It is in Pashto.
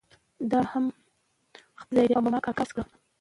دا هم خپل ځای دی او ما کاکا فرض کړه.